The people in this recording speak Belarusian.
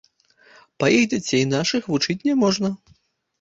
Па іх дзяцей нашых вучыць няможна.